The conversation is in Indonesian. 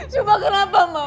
coba kenapa mau